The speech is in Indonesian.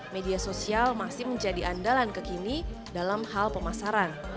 media sosial masih menjadi andalan kekini dalam hal pemasaran